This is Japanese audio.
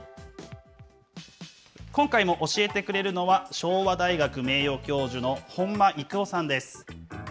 今回も教えてくれるのは、昭和大学名誉教授の本間生夫さんです。